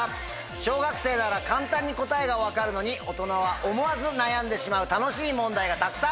小学生なら簡単に答えが分かるのに大人は思わず悩んでしまう楽しい問題がたくさん！